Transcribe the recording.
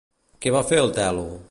Què va fer el Tèlo?